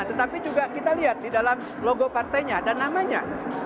tetapi juga kita lihat di dalam logo partainya dan namanya